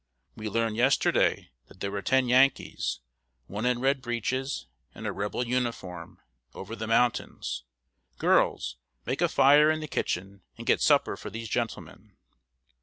"We learned yesterday that there were ten Yankees, one in red breeches and a Rebel uniform, over the mountain. Girls, make a fire in the kitchen, and get supper for these gentlemen!"